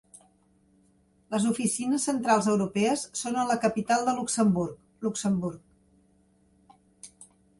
Les oficines centrals europees són a la capital de Luxemburg, Luxemburg.